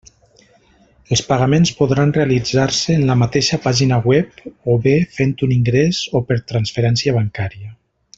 Els pagaments podran realitzar-se en la mateixa pàgina web o bé fent un ingrés o per transferència bancària.